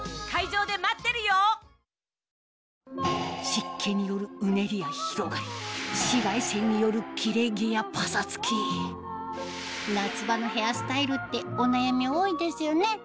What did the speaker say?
湿気によるうねりや広がり紫外線による切れ毛やパサつき夏場のヘアスタイルってお悩み多いですよね